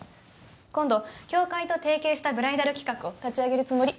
今度教会と提携したブライダル企画を立ち上げるつもり。